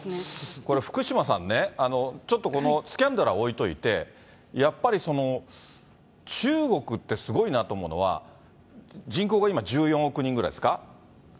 これ、福島さんね、ちょっとこのスキャンダルは置いといて、やっぱりその中国ってすごいなと思うのは、人口が今１４億人ぐらいですか。